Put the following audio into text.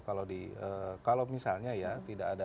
kalau misalnya ya tidak ada